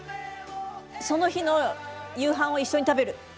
その日の夕飯を一緒に食べる。